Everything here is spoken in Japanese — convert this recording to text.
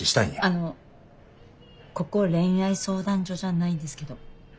あのここ恋愛相談所じゃないんですけど。